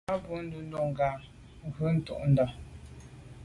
A bwô ndù ndà ghù ntôndà.